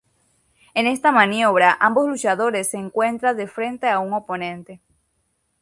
En esta maniobra ambos luchadores se encuentra de frente a un oponente.